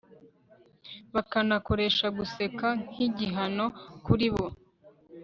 bakanakoresha guseka nkigihano kuri bo